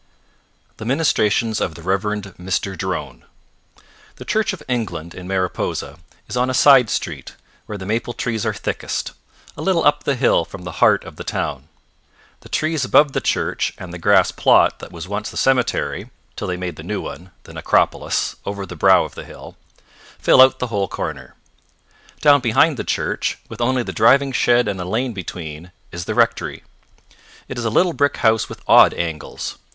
The Ministrations of the Rev. Mr. Drone The Church of England in Mariposa is on a side street, where the maple trees are thickest, a little up the hill from the heart of the town. The trees above the church and the grass plot that was once the cemetery, till they made the new one (the Necropolis, over the brow of the hill), fill out the whole corner. Down behind the church, with only the driving shed and a lane between, is the rectory. It is a little brick house with odd angles.